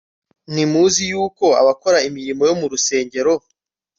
ntimuzi yuko abakora imirimo yo mu rusengero